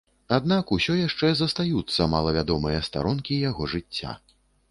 Аднак усё яшчэ застаюцца малавядомыя старонкі яго жыцця.